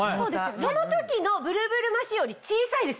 その時のブルブルマシンより小さいですよね？